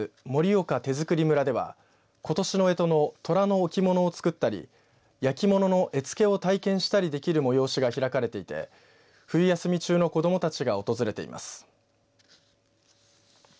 盛岡手づくり村ではことしのえとのトラの置物を作ったり焼き物の絵付けを体験したりできる催しが開かれていて冬休み中の子どもたちが訪れています。